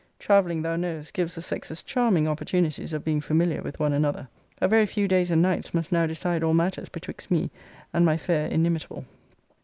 TRAVELLING, thou knowest, gives the sexes charming opportunities of being familiar with one another. A very few days and nights must now decide all matters betwixt me and my fair inimitable.